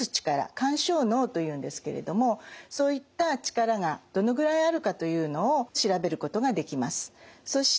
緩衝能というんですけれどもそういった力がどのぐらいあるかというのを調べることができます。